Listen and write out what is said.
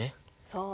そう。